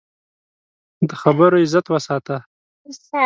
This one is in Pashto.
د خبرو عزت وساته